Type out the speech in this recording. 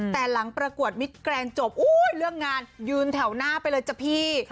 แต่หลังประกวดมิดแกรนดจบเรื่องงานยืนแถวหน้าไปเลยจ้ะพี่